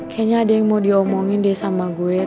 kayaknya ada yang mau diomongin deh sama gue